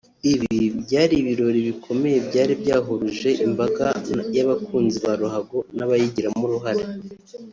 Ibi byari ibirori bikomeye byari byahuruje imbaga y’abakunzi ba ruhago n’abayigiramo uruhare